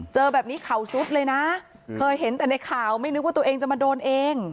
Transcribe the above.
เจอแบบนี้เข่าซุดเลยนะเคยเห็นแต่ในข่าวไม่นึกว่าตัวเองจะมาโดนเอง